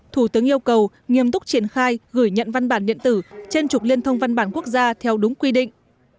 thủ tướng yêu cầu nghiêm túc triển khai gửi nhận văn bản điện tử trên trục liên thông văn bản quốc gia theo đúng quy định